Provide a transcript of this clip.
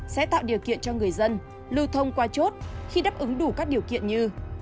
sẽ tạo điều kiện cho người dân lưu thông qua chốt khi đáp ứng đủ các điều kiện như